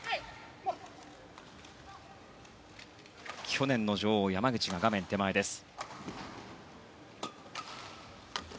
去年の女王山口が画面手前です。